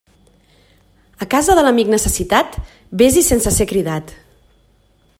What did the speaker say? A casa de l'amic necessitat, vés-hi sense ser cridat.